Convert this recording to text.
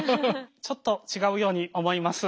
ちょっと違うように思います。